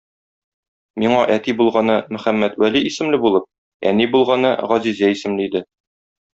Миңа әти булганы Мөхәммәтвәли исемле булып, әни булганы Газизә исемле иде.